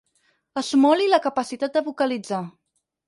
Esmoli la capacitat de vocalitzar.